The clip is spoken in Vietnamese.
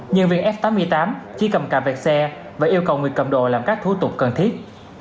nhân viên s tám mươi tám chỉ cầm cà vẹt xe và yêu cầu người cầm đồ làm các thủ tục cần thiết